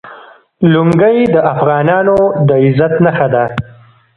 لنګۍ د افغانانو د عزت نښه ده.